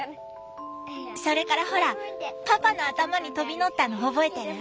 それからほらパパの頭に飛び乗ったの覚えてる？